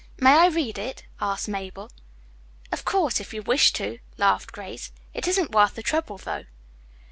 "May I read it?" asked Mabel. "Of course, if you wish to," laughed Grace. "It isn't worth the trouble, though."